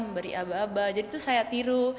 memberi aba aba jadi itu saya tiru